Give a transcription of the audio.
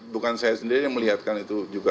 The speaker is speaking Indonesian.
bukan saya sendiri yang melihatkan itu juga